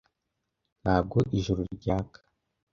Ntabwo ijuru ryaka